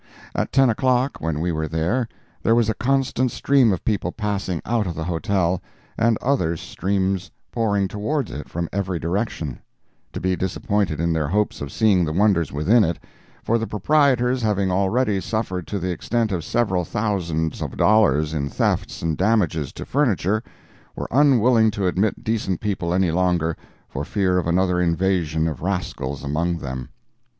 At ten o'clock, when we were there, there was a constant stream of people passing out of the hotel, and other streams pouring towards it from every direction, to be disappointed in their hopes of seeing the wonders within it, for the proprietors having already suffered to the extent of several thousands of dollars in thefts and damages to furniture, were unwilling to admit decent people any longer, for fear of another invasion of rascals among them.